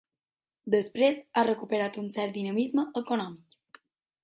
Després ha recuperat un cert dinamisme econòmic.